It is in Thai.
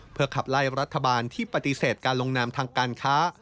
เพื่อขับไล่รัฐบาลที่ปฏิเสธการลงนามทางการค้า